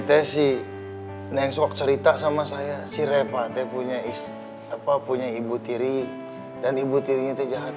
tehteh paris nengsok cerita sama saya sirabunde punya supah punya ibu tiri dan ibu tirinya tayang